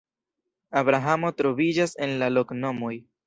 Abrahamo troviĝas en la loknomoj.